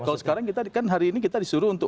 kalau sekarang kita kan hari ini kita disuruh untuk